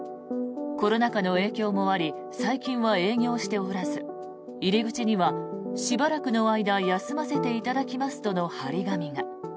コロナ禍の影響もあり最近は営業しておらず入り口には、しばらくの間休ませていただきますとの貼り紙が。